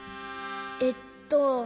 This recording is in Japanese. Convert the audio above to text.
えっと。